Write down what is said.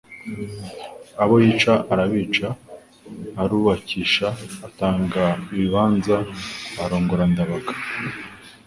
abo yica Arabica arubakisha atanga ibibanza arongora Ndabaga